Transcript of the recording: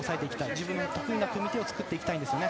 自分の得意な組み手を作っていきたいですね。